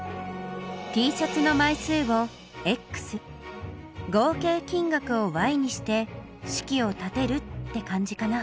Ｔシャツの枚数を合計金額をにして式を立てるって感じかな。